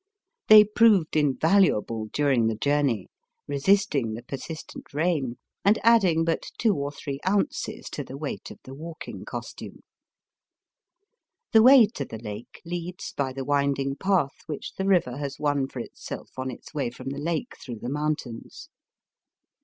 They prove invaluable during the journey, resisting the persistent rain, and adding but two or three ounces to the weight of the walking costume. The way to the lake leads by the winding path which the river has won for itself on its way from the lake through the mountains.